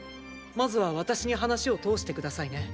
まずは私に話を通して下さいね。